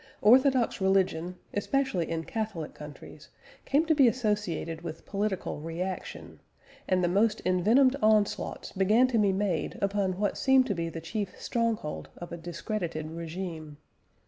Orthodox religion, especially in Catholic countries, came to be associated with political reaction, and the most envenomed onslaughts began to be made upon what seemed to be the chief stronghold of a discredited regime.